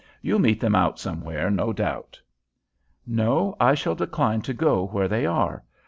You'll meet them out somewhere, no doubt." "No; I shall decline to go where they are.